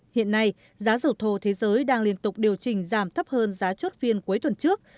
hiện nay giá dầu thô thế giới đang liên tục điều chỉnh giảm thấp hơn giá chốt phiên cuối tuần trước